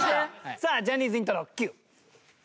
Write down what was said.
さあジャニーズイントロＱ。